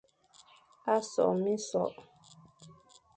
Sokh minsokh,